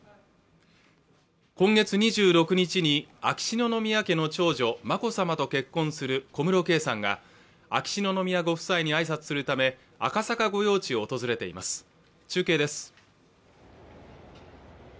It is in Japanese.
今月２６日に秋篠宮家の長女眞子さまと結婚する小室圭さんが秋篠宮ご夫妻に挨拶するため赤坂御用地を訪れています中継です